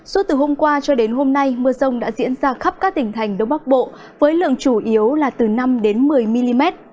suốt từ hôm qua cho đến hôm nay mưa rông đã diễn ra khắp các tỉnh thành đông bắc bộ với lượng chủ yếu là từ năm một mươi mm